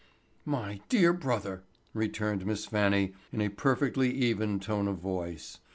"My dear brother," returned Miss Fannie, in a perfectly even tone of voice.